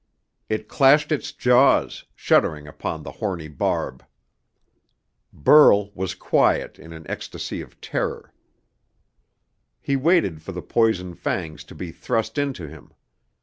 It clashed its jaws, shuddering upon the horny barb. Burl was quiet in an ecstasy of terror. He waited for the poison fangs to be thrust into him.